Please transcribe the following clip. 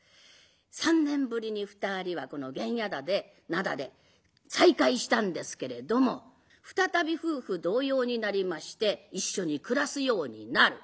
３年ぶりに２人はこの玄冶店で再会したんですけれども再び夫婦同様になりまして一緒に暮らすようになる。